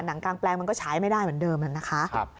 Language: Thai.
หนังกลางแปลงมันก็ใช้ไม่ได้เหมือนเดิมนะคะ